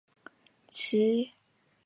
其胞兄为前中信鲸队外野手郭岱咏。